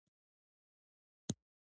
غوښې د افغانستان د اقتصاد برخه ده.